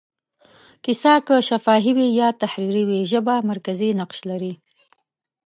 کیسه که شفاهي وي یا تحریري، ژبه مرکزي نقش لري.